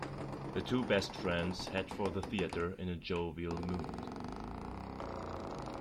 The two best friends head for the theatre in a jovial mood.